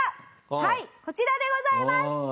はいこちらでございます！